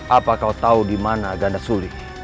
apa kau tahu dimana ganda suli